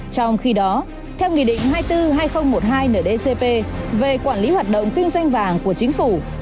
trong khi đó theo nghị định hai mươi bốn hai nghìn một mươi hai ndcp về quản lý hoạt động kinh doanh vàng của chính phủ